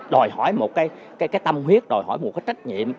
đòi hỏi một cái tâm huyết đòi hỏi một cái trách nhiệm